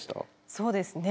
そうですね。